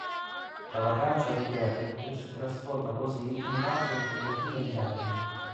La vacanza di Derrick si trasforma così in un'altra impegnativa indagine.